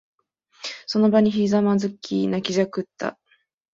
その場にひざまずき、泣きじゃくった。